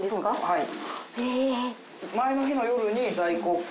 ・はい。